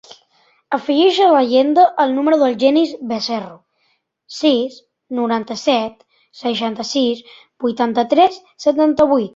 Afegeix a l'agenda el número del Genís Becerro: sis, noranta-set, seixanta-sis, vuitanta-tres, setanta-vuit.